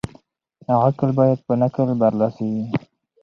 عقل بايد په نقل برلاسی وي.